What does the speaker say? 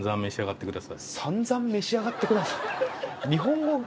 「さんざん召し上がってください」。